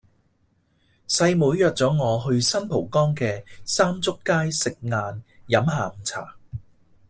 細妹約左我去新蒲崗嘅三祝街食晏飲下午茶